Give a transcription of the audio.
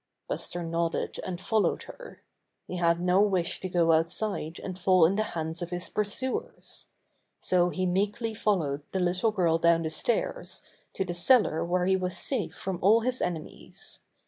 Buster nodded, and followed her. He had no wish to go outside and fall in the hands of his pursuers. So he meekly followed the little girl down the stairs to the cellar where he was safe from all his enemies.